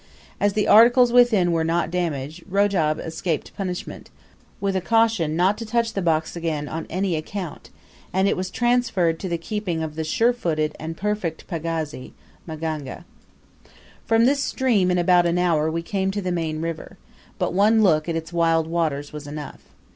As the articles within were not damaged, Rojab escaped punishment, with a caution not to touch the bog again on any account, and it was transferred to the keeping of the sure footed and perfect pagazi, Maganga. From this stream, in about an hour, we came to the main river, but one look at its wild waters was enough.